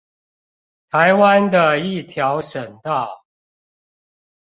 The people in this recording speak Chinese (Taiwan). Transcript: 台灣的一條省道